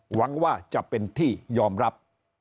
หวังว่าจะเป็นที่ยอมรับ